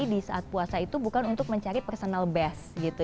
di saat puasa itu bukan untuk mencari personal best gitu